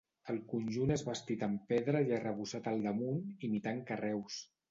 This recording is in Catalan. El conjunt és bastit en pedra i arrebossat al damunt, imitant carreus.